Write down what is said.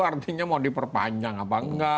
artinya mau diperpanjang apa enggak